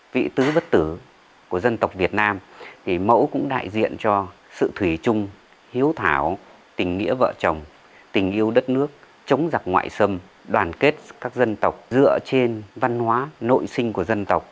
vị tứ bất tử của dân tộc việt nam mẫu cũng đại diện cho sự thủy chung hiếu thảo tình nghĩa vợ chồng tình yêu đất nước chống giặc ngoại xâm đoàn kết các dân tộc dựa trên văn hóa nội sinh của dân tộc